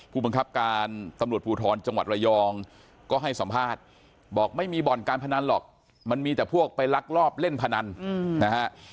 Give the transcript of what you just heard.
ผู้บังคับการตำรวจภูทรจังหวัดระยองก็ให้สัมภาษณ์บอกไม่มีบ่อนการพนันหรอกมันมีแต่พวกไปลักลอบเล่นพนันนะฮะ